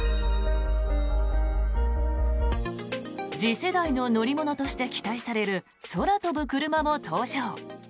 次世代の乗り物として期待される空飛ぶクルマも登場。